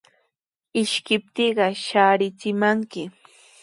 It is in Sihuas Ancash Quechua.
Ishkiptiiqa shaarichimanmi.